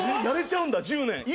やれちゃうんだ１０年。